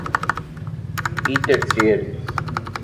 Y terciarios.